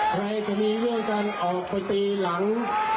ใครจะมีเรื่องการออกไปตีหลัง